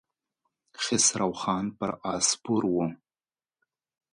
خسرو خان پر آس سپور و.